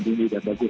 ini tidak bagus